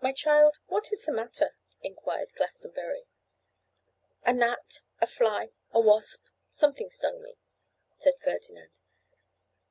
'My child, what is the matter?' inquired Glastonbury. 'A gnat, a fly, a wasp! something stung me,' said Ferdinand.